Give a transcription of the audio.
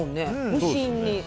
無心に。